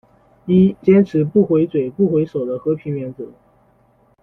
一、坚持不回嘴、不回手的和平原则。